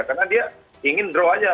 karena dia ingin draw aja